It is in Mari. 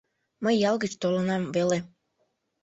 Мый ял гыч толынам веле.